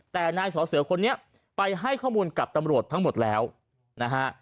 แต่นายสอเสือคนนี้ไปให้ข้อมูลกับตำรวจทั้งหมดแล้วนะฮะ